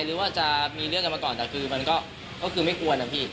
หรือว่าจะมีเรื่องกันมาก่อนแต่คือมันก็คือไม่ควรนะพี่